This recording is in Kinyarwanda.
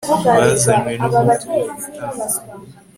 bazanywe no gutura ibitambo